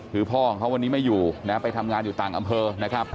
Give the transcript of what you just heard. คือพ่อของเขาวันนี้ไม่อยู่นะไปทำงานอยู่ต่างอำเภอนะครับ